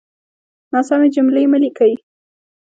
ناسمې جملې مه ليکئ!